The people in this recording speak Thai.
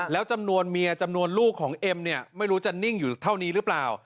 แล้วจำนวนเมียจำนวนลูกของเอ็มเนี่ยไม่รู้จะนิ่งอยู่เท่านี้หรือเปล่า